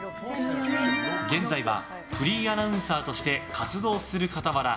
現在はフリーアナウンサーとして活動するかたわら